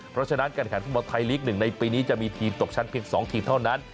เพราะฉะนั้นการแข่งฟุตบอลไทยลีก๑ในปีนี้จะมีทีมตกชั้นเพียง๒ทีมเท่านั้น